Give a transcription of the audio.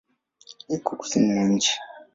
Iko kusini mwa nchi.